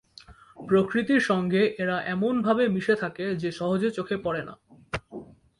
প্রকৃতির সঙ্গে এরা এমনভাবে মিশে থাকে যে সহজে চোখে পড়ে না।